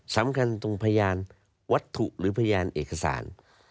สำคัญตรงพยานวัตถุหรือพยานเอกสาร